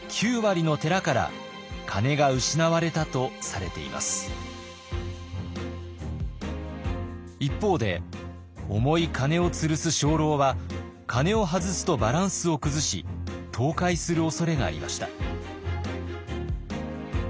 実に一方で重い鐘をつるす鐘楼は鐘を外すとバランスを崩し倒壊するおそれがありました。